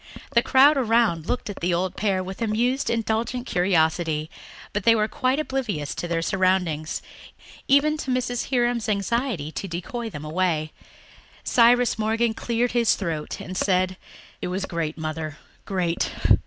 The crowd around looked at the old pair with amused, indulgent curiosity, but they were quite oblivious to their surroundings, even to Mrs. Hiram's anxiety to decoy them away. Cyrus Morgan cleared his throat and said, "It was great, Mother, great.